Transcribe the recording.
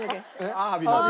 アワビの肝？